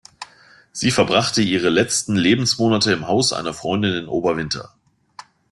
Sie verbrachte ihre letzten Lebensmonate im Haus einer Freundin in Oberwinter.